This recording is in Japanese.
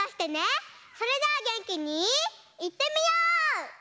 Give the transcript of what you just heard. それじゃあげんきにいってみよう！